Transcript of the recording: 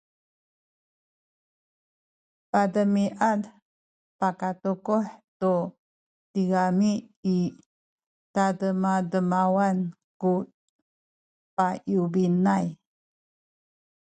paydemiad pakatukuhay tu tigami i tademademawan ku payubinay